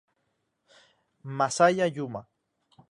Masaya Yuma